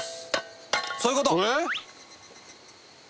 そういうこと！